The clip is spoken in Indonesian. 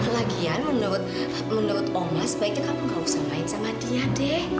lagian menurut menurut oma sebaiknya kamu gak usah main sama dia deh